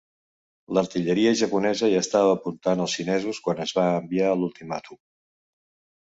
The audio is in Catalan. L'artilleria japonesa ja estava apuntant als xinesos quan es va enviar l'ultimàtum.